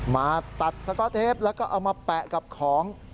มาตัดสก๊อตเทปแล้วก็เอามาแปะกับของ